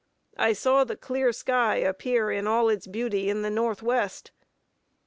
I saw the clear sky appear in all its beauty in the north west.